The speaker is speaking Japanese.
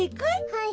はい。